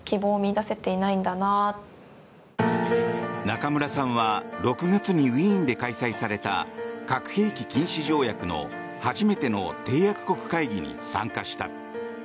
中村さんは６月にウィーンで開催された核兵器禁止条約の初めての締約国会議に参加した。